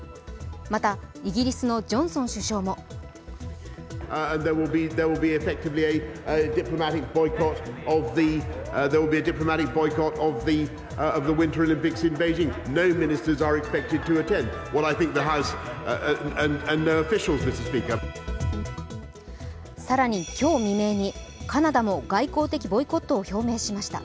また、イギリスのジョンソン首相も更に今日未明に、カナダも外交的ボイコットを表明しました。